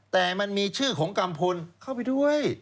แต่มันมีชื่อของกัมพลเข้าไปด้วย